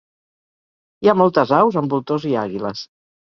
Hi ha moltes aus amb voltors i àguiles.